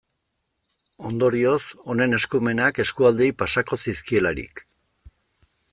Ondorioz, honen eskumenak eskualdeei pasako zizkielarik.